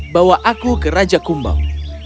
bawa aku ke raja kumbang